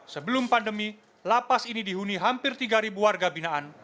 sebelum pandemi lapas ini dihuni hampir tiga warga binaan